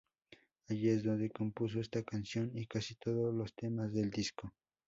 Allí es donde compuso esta canción y casi todos los temas del disco.